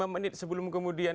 lima menit sebelum kemudian